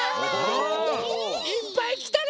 いっぱいきたね！